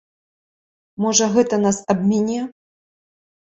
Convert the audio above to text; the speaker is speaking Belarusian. Можа, гэта нас абміне?